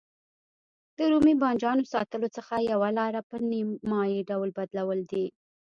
د رومي بانجانو ساتلو څخه یوه لاره په نیم مایع ډول بدلول دي.